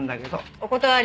お断り。